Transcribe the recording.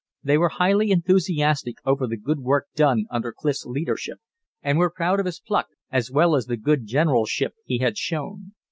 They were highly enthusiastic over the good work done under Clif's leadership, and were proud of his pluck as well as the good generalship he had shown.